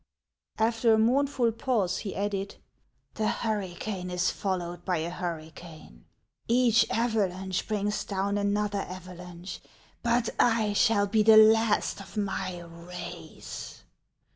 After a mournful pause, he added, —" The hurricane is followed by a hurricane, each ava lanche brings down another avalanche, but I shall be the last of my race.